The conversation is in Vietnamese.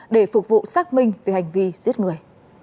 để phục vụ xác minh về hành vi giết người